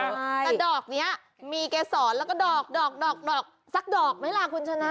แต่ดอกนี้มีเกษรแล้วก็ดอกดอกสักดอกไหมล่ะคุณชนะ